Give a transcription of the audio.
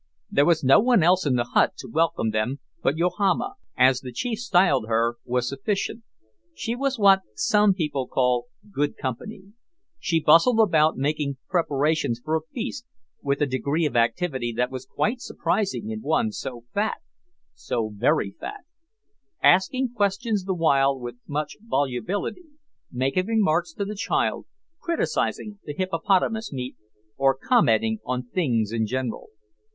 There was no one else in the hut to welcome them, but Yohama, as the chief styled her, was sufficient; she was what some people call "good company." She bustled about making preparations for a feast, with a degree of activity that was quite surprising in one so fat so very fat asking questions the while with much volubility, making remarks to the child, criticising the hippopotamus meat, or commenting on things in general.